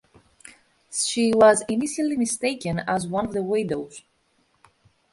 She was initially mistaken as one of the widows.